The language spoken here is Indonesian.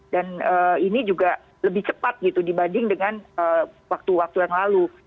dan ini juga lebih cepat dibanding dengan waktu waktu yang lalu